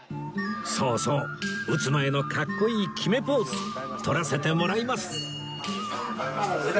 そうそう撃つ前のかっこいい決めポーズ撮らせてもらいます